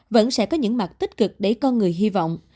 vẫn sẽ có những mặt tích cực để con người hy vọng